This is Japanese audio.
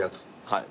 はい。